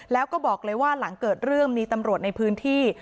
แล้วก็บอกเลยว่าหลังเกิดเรื่องมีตำรวจในพื้นที่